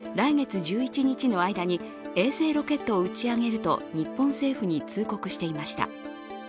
北朝鮮は昨日、明日３１日から来月１１日の間に衛星ロケットを打ち上げると日本政府に通告していました。